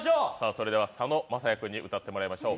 それでは佐野晶哉君に歌ってもらいましょう。